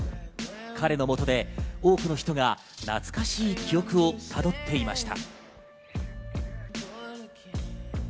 彼のもとで多くの人が懐かしい記憶をたどっていました。